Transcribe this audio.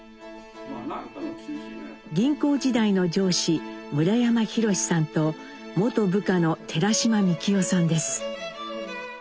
銀行時代の上司村山弘さんと元部下の寺島幹夫さんです。